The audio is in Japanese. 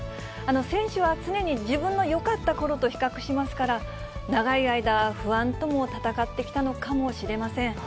選手は常に、自分のよかったころと比較しますから、長い間、不安とも闘ってきたのかもしれません。